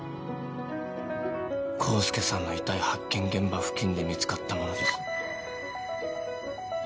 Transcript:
康介さんの遺体発見現場付近で見つかったものです